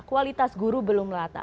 kualitas guru belum rata